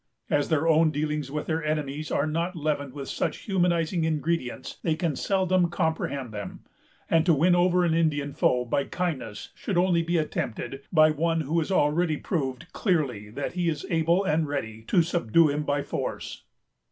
As their own dealings with their enemies are not leavened with such humanizing ingredients, they can seldom comprehend them; and to win over an Indian foe by kindness should only be attempted by one who has already proved clearly that he is able and ready to subdue him by force.